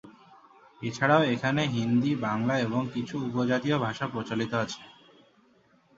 এছাড়াও এখানে হিন্দি, বাংলা এবং কিছু উপজাতীয় ভাষা প্রচলিত আছে।